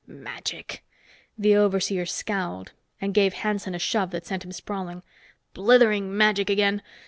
"Magic!" The overseer scowled and gave Hanson a shove that sent him sprawling. "Blithering magic again!